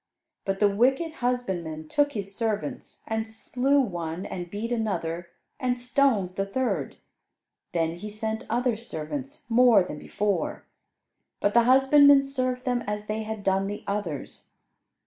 But the wicked husbandmen took his servants, and slew one, and beat another, and stoned the third. Then he sent other servants, more than before, but the husbandmen served them as they had done the others.